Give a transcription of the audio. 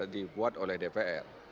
dibuat oleh dpr